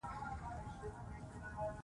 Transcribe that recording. مینه په ژوند کې رنګونه خپروي.